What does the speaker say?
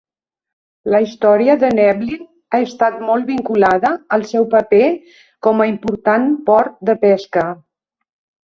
La història de Newlyn ha estat molt vinculada al seu paper com a important port de pesca.